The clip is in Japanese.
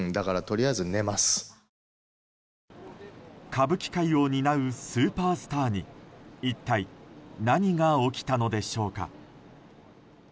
歌舞伎界を担うスーパースターに一体、何が起きたのでしょうか？